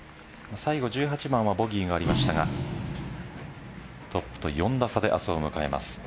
最後１８番はボギーがありましたがトップと４打差で明日を迎えます。